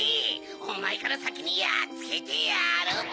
おまえからさきにやっつけてやる！